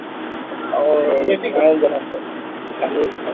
kaoro unaza na kanisi na kano